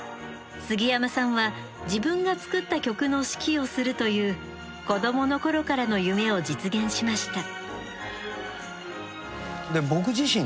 すぎやまさんは自分が作った曲の指揮をするという子どもの頃からの夢を実現しました。